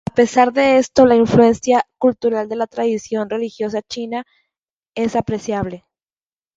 A pesar de esto la influencia cultural de la tradición religiosa china es apreciable.